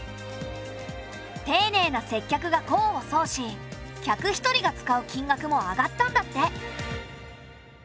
丁寧な接客が功を奏し客一人が使う金額も上がったんだって。